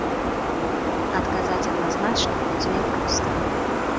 Адказаць адназначна будзе няпроста.